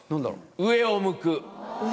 上を向く？